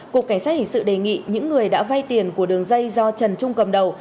cục cảnh sát hình sự đề nghị những người đã vay tiền của đường dây do trần trung cầm đầu